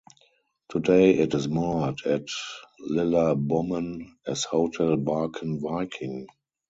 Today it is moored at Lilla Bommen as hotel "Barken Viking".